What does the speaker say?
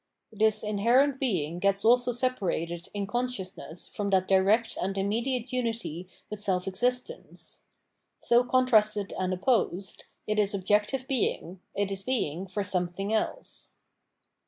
This inherent being gets also separated in con sciousness from that direct and immediate umty with Conscience 649 self existence : so contrasted and opposed, it is objective being, it is being for something else.